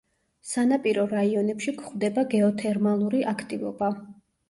სანაპირო რაიონებში გვხვდება გეოთერმალური აქტივობა.